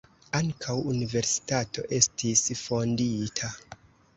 Ankaŭ universitato estis fondita.